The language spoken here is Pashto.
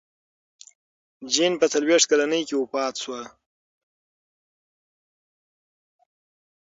جین په څلوېښت کلنۍ کې وفات شوه.